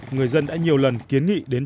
người dân đã nhiều lần kiến nghiệm các con lỗ này